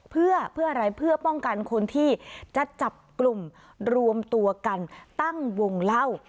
เพื่ออะไรเพื่อป้องกันคนที่จะจับกลุ่มรวมตัวกันตั้งวงเล่า